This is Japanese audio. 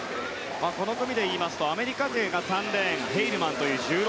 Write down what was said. この組で言いますとアメリカ勢が３レーンヘイルマン。